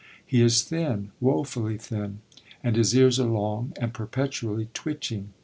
He is thin, woefully thin, and his ears are long and perpetually twitching.